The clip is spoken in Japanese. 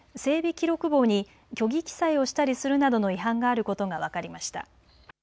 記録簿に虚偽記載をするなどの違反があることが分かりました。